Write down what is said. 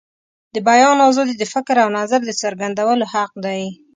د بیان آزادي د فکر او نظر د څرګندولو حق دی.